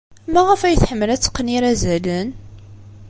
Maɣef ay tḥemmel ad teqqen irazalen?